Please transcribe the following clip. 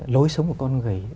lối sống của con người